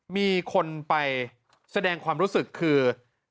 มีคนไปแสดงความรู้สึกคือ